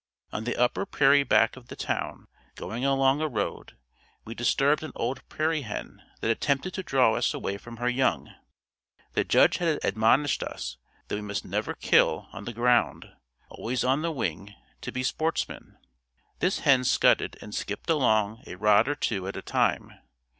On the upper prairie back of the town going along a road, we disturbed an old prairie hen that attempted to draw us away from her young. The Judge had admonished us that we must never kill on the ground, always on the wing, to be sportsmen. This hen scudded and skipped along a rod or two at a time.